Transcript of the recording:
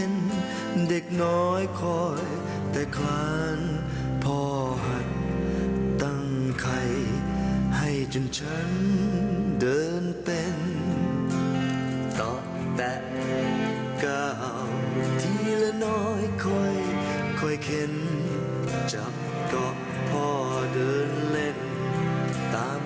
สวัสดีค่ะ